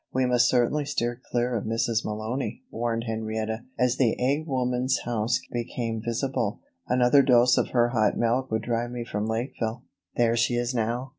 "We must certainly steer clear of Mrs. Malony," warned Henrietta, as the egg woman's house became visible. "Another dose of her hot milk would drive me from Lakeville." "There she is now!"